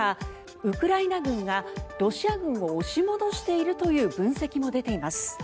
ウクライナ軍がロシア軍を押し戻しているという分析も出ています。